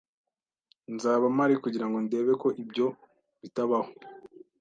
Nzaba mpari kugirango ndebe ko ibyo bitabaho.